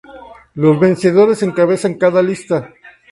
Los vencedores encabezan cada lista.